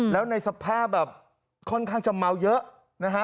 แล้วในสภาพแบบค่อนข้างจะเมาเยอะนะฮะ